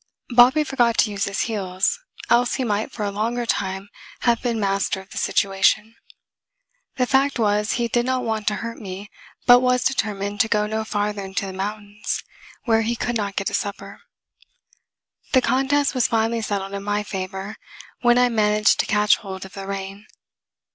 Bobby forgot to use his heels, else he might for a longer time have been master of the situation. The fact was he did not want to hurt me, but was determined to go no farther into mountains where he could not get a supper. The contest was finally settled in my favor when I managed to catch hold of the rein.